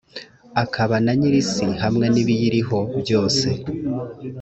akaba na nyir’isi hamwe n’ibiyiriho byose.